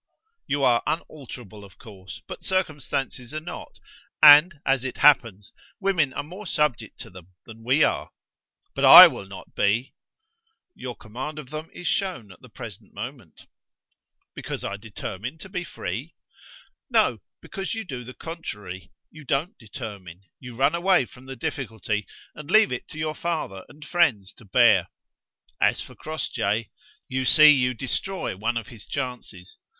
You are unalterable, of course, but circumstances are not, and as it happens, women are more subject to them than we are." "But I will not be!" "Your command of them is shown at the present moment." "Because I determine to be free?" "No: because you do the contrary; you don't determine: you run away from the difficulty, and leave it to your father and friends to bear. As for Crossjay, you see you destroy one of his chances.